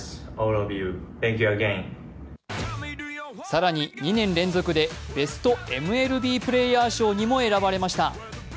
更に２年連続でベストＭＬＢプレーヤー賞にも選ばれました。